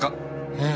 ええ。